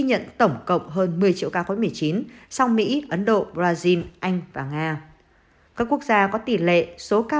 nhận tổng cộng hơn một mươi triệu ca covid một mươi chín sau mỹ ấn độ brazil anh và nga các quốc gia có tỷ lệ số ca